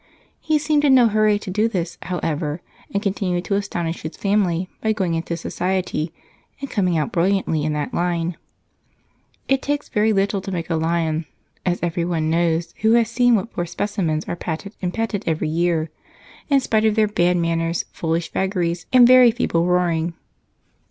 He seemed in no hurry to do this, however, and continued to astonish his family by going into society and coming out brilliantly in that line. It takes very little to make a lion, as everyone knows who has seen what poor specimens are patted and petted every year, in spite of their bad manners, foolish vagaries, and very feeble roaring.